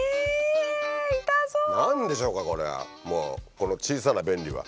この小さな便利は。